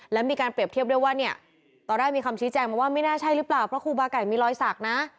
แล้วมีการเปรียบเทียบด้วยว่าเนี่ยตอนแรกมีคำชี้แจงมาว่าไม่น่าใช่หรือเปล่าเพราะครูบาไก่มีรอยสักนะ